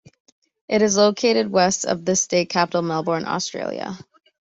It is located west of the state capital, Melbourne, Australia.